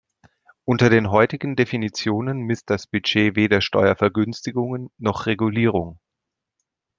Unter den heutigen Definitionen misst das Budget weder Steuervergünstigungen noch Regulierung.